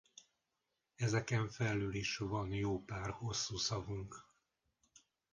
Ezeken felül is van jó pár hosszú szavunk.